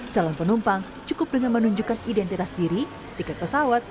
calon penumpang cukup dengan menunjukkan identitas diri tiket pesawat